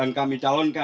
untuk memimpin jakarta